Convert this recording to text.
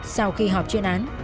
sau khi họp chuyên án